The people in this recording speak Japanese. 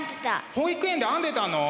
保育園で編んでたの？